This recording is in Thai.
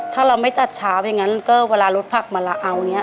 ถ้าเราไม่จัดเช้าอย่างนั้นก็เวลารถผักมาละเอาอย่างนี้